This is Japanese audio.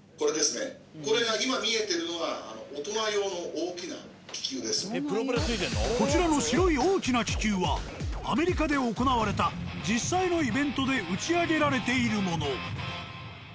鈴木教授が目を付けたのはこちらの白い大きな気球はアメリカで行われた実際のイベントで打ち上げられているもの。